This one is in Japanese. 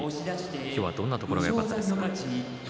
今日はどんなところがよかったですか？